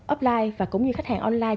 offline và cũng như khách hàng online